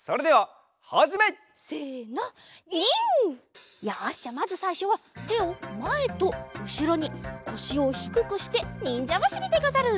じゃまずさいしょはてをまえとうしろにこしをひくくしてにんじゃばしりでござる！